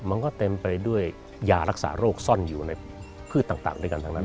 มันก็เต็มไปด้วยยารักษาโรคซ่อนอยู่ในพืชต่างด้วยกันทั้งนั้น